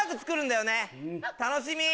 楽しみ！